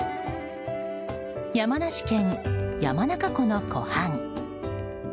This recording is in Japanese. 山梨県山中湖の湖畔。